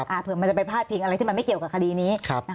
เผื่อมันจะไปพาดพิงอะไรที่มันไม่เกี่ยวกับคดีนี้